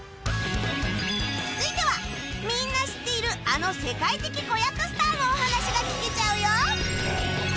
続いてはみんな知っているあの世界的子役スターのお話が聞けちゃうよ